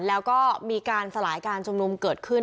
แล้วก็มีการสลายการชุมนุมเกิดขึ้น